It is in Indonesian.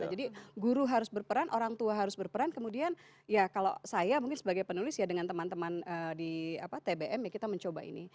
jadi guru harus berperan orang tua harus berperan kemudian ya kalau saya mungkin sebagai penulis ya dengan teman teman di tbm ya kita mencoba ini